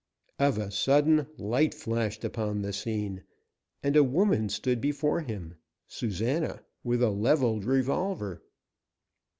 Of a sudden light flashed upon the scene, and a woman stood before him Susana with a leveled revolver!